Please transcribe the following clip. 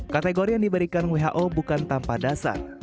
kategori yang diberikan who bukan tanpa dasar